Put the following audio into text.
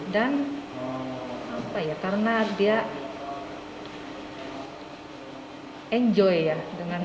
dan karena dia enjoy ya